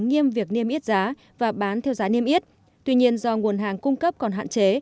nghiêm việc niêm yết giá và bán theo giá niêm yết tuy nhiên do nguồn hàng cung cấp còn hạn chế